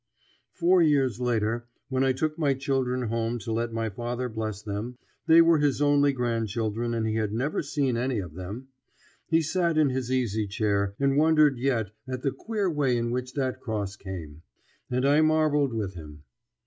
Four years later, when I took my children home to let my father bless them, they were his only grandchildren and he had never seen any of them, he sat in his easy chair and wondered yet at the queer way in which that cross came. And I marvelled with him.